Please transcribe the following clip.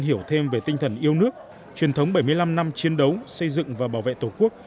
hiểu thêm về tinh thần yêu nước truyền thống bảy mươi năm năm chiến đấu xây dựng và bảo vệ tổ quốc